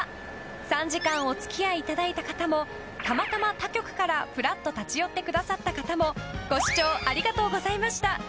３時間お付き合いいただいた方もたまたま他局からふらっと立ち寄ってくださった方もご視聴ありがとうございました。